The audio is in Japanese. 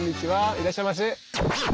いらっしゃいませ。